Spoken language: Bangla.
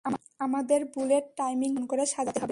আমাদের বুলেট টাইমিংটা নতুন করে সাজাতে হবে!